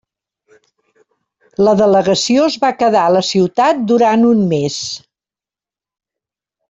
La delegació es va quedar a la ciutat durant un mes.